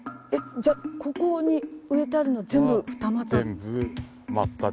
じゃぁここに植えてあるのは全部。